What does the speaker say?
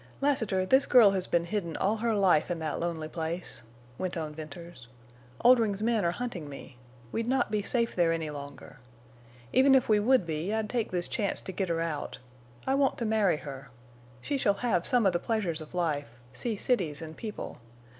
"Lassiter, this girl has been hidden all her life in that lonely place," went on Venters. "Oldring's men are hunting me. We'd not be safe there any longer. Even if we would be I'd take this chance to get her out. I want to marry her. She shall have some of the pleasures of life—see cities and people.